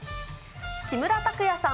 木村拓哉さん